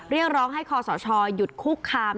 เรียกร้องให้คอสชหยุดคุกคาม